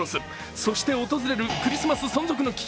そして、訪れるクリスマス存続の危機。